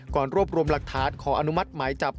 รวบรวมหลักฐานขออนุมัติหมายจับ